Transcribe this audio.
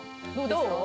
どう？